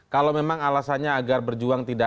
kalau memang alasannya agar berjuang tidak